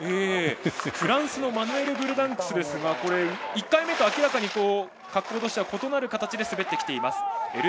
フランスのマヌエル・ブルダンクスですが１回目と明らかに格好としては異なる形で滑ってきています。